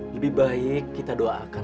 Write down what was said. lebih baik kita doakan